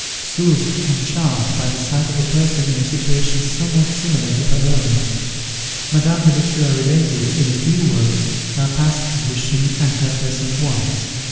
Soothed and charmed by the sight of a person in a situation somewhat similar to her own, Madame de la Tour related, in a few words, her past condition and her present wants.